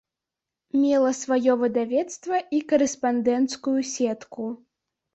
Мела сваё выдавецтва і карэспандэнцкую сетку.